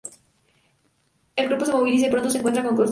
El grupo se moviliza y pronto se encuentra con Godzilla.